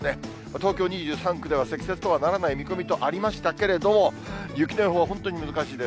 東京２３区では積雪とはならない見込みとありましたけれども、雪の予報は本当に難しいです。